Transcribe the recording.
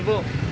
ini buat apa